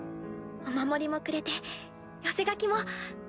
お守りもくれて寄せ書きも。